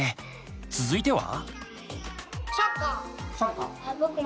続いては？